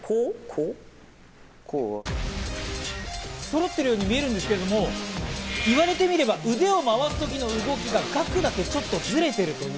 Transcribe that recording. そろってるように見えるんですけれども、言われてみれば腕を回す時の動きがＧＡＫＵだけちょっとずれている。